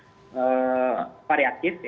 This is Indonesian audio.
dalam proses pemilihan sampel ini